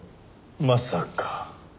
まさか。